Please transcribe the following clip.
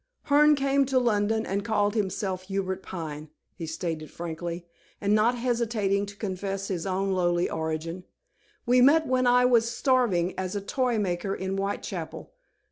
"Hearne came to London and called himself Hubert Pine," he stated frankly, and not hesitating to confess his own lowly origin. "We met when I was starving as a toymaker in Whitechapel.